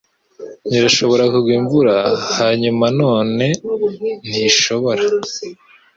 Irashobora kugwa imvura, hanyuma nanone, ntishobora.